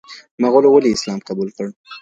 مغولو ولي اسلام قبول کړ؟